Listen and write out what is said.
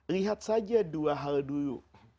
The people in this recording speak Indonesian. lihat saja dua hal dulu